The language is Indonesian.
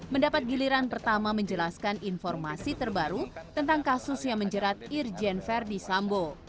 mendapat giliran pertama menjelaskan informasi terbaru tentang kasus yang menjerat irjen verdi sambo